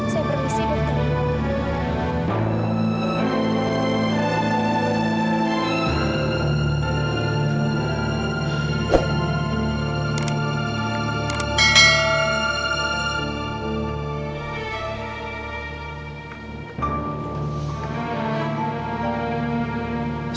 saya permisi dokter